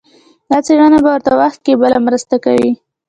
دا څېړنه په ورته وخت کې بله مرسته کوي.